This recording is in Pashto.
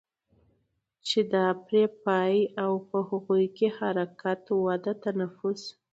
چې دا پرې پايي او په هغو کې حرکت، وده، تنفس